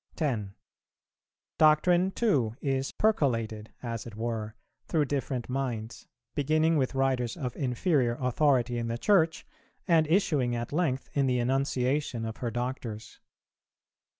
10. Doctrine too is percolated, as it were, through different minds, beginning with writers of inferior authority in the Church, and issuing at length in the enunciation of her Doctors.